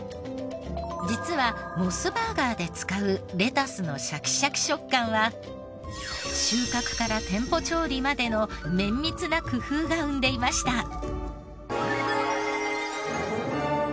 実はモスバーガーで使うレタスのシャキシャキ食感は収穫から店舗調理までの綿密な工夫が生んでいました。